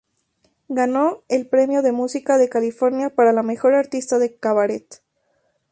Ganó el Premio de Música de California para la Mejor Artista de Cabaret.